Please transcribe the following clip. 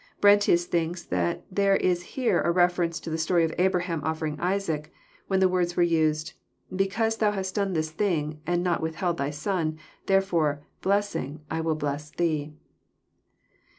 Brentius thinks that there is here a reference to the story of Abraham offering Isaac, when the words were used, '* Because thou hast done this thing, aiid not withheld thy 8on« therefore^ blessing, I will bless thee."